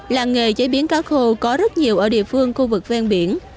làng nghề chế biến cá khô có rất nhiều ở địa phương khu vực ven biển